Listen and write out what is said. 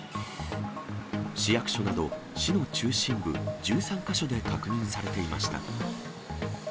市役所など市の中心部１３か所で確認されていました。